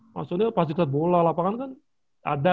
masuknya pasir pasir bola lapangan kan ada